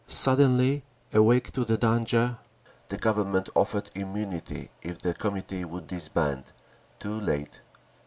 Suddenly awake to the danger, the Government offered immunity if the Committee would disband. Too late.